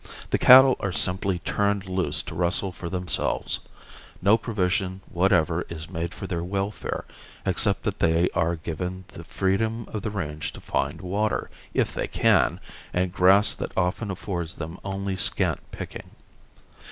The cattle are simply turned loose to rustle for themselves. No provision whatever is made for their welfare, except that they are given the freedom of the range to find water, if they can, and grass that often affords them only scant picking.